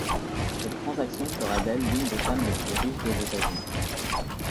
Cette transaction fera d'elle une des femmes les plus riches des États-Unis.